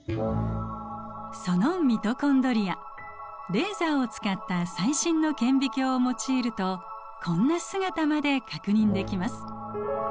そのミトコンドリアレーザーを使った最新の顕微鏡を用いるとこんな姿まで確認できます。